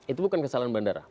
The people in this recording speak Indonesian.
itu bukan kesalahan bandara